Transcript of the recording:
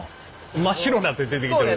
真っ白になって出てきてる。